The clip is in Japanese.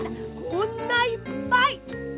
こんないっぱい！